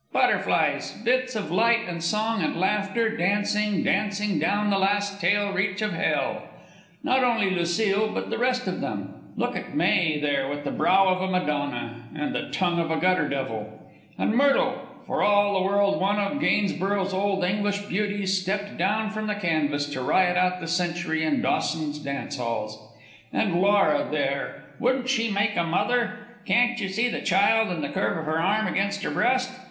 "Butterflies, bits of light and song and laughter, dancing, dancing down the last tail reach of hell. Not only Lucile, but the rest of them. Look at May, there, with the brow of a Madonna and the tongue of a gutter devil. And Myrtle for all the world one of Gainsborough's old English beauties stepped down from the canvas to riot out the century in Dawson's dance halls. And Laura, there, wouldn't she make a mother? Can't you see the child in the curve of her arm against her breast!